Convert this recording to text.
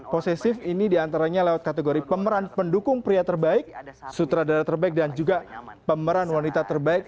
posesif ini diantaranya lewat kategori pemeran pendukung pria terbaik sutradara terbaik dan juga pemeran wanita terbaik